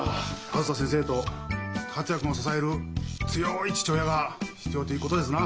あづさ先生と達也君を支える強い父親が必要ということですな。